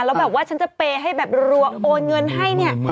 แล้วแบบว่าฉันจะเปย์ให้แบบรัวโอนเงินให้เนี่ย